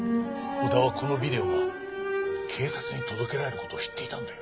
小田はこのビデオが警察に届けられる事を知っていたんだよ。